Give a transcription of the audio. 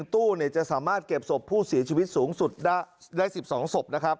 ตู้จะสามารถเก็บศพผู้เสียชีวิตสูงสุดได้๑๒ศพนะครับ